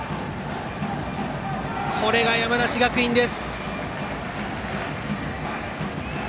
これが山梨学院です。